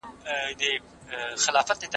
د غور پښتانه د سور له کورنۍ سره تړاو لري.